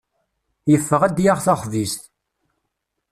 Yeffeɣ ad d-yaɣ taxbizt.